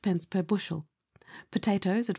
per bushel. Potatoes, at 4s.